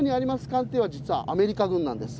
艦艇は実はアメリカ軍なんです。